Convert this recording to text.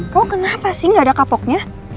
kamu kenapa sih gak ada kapoknya